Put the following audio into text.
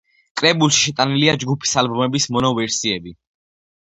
კრებულში შეტანილია ჯგუფის ალბომების მონო ვერსიები.